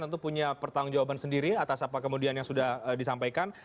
tentu punya pertanggung jawaban sendiri atas apa kemudian yang sudah disampaikan